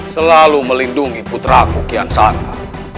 selalu melindungi putraku kiansanta